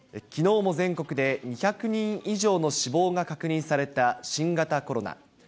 きのうも全国で２００人以上の死亡が確認された新型コロナ。